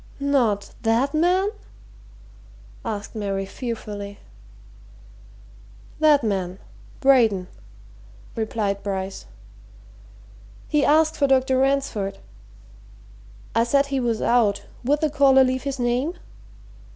"Not that man?" asked Mary fearfully. "That man Braden," replied Bryce. "He asked for Dr. Ransford. I said he was out would the caller leave his name?